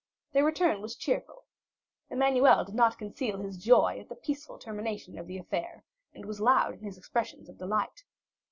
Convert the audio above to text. Their return was cheerful. Emmanuel did not conceal his joy at the peaceful termination of the affair, and was loud in his expressions of delight.